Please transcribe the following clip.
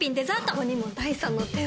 ここにも第三の手を。